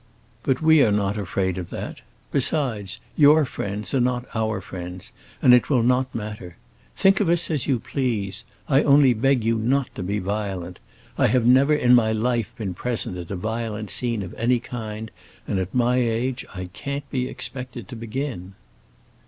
But we are not afraid of that. Besides, your friends are not our friends, and it will not matter. Think of us as you please. I only beg you not to be violent. I have never in my life been present at a violent scene of any kind, and at my age I can't be expected to begin."